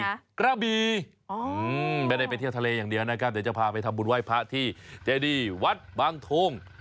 กระบีอ๋อไม่ได้ไปเที่ยวทะเลอย่างเดียวนะครับเดี๋ยวจะพาไปทำบุญไหว้พระที่เจดีวัดบางทง